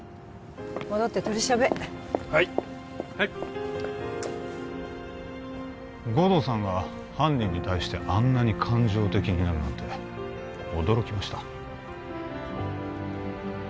戻って取り調べはい護道さんが犯人に対してあんなに感情的になるなんて驚きました